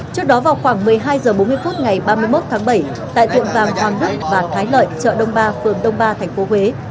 trước đó vào khoảng một mươi hai h bốn mươi ngày ba mươi một tháng bảy tại thượng vàng hoàng đức và thái lợi chợ đông ba phường đông ba thành phố huế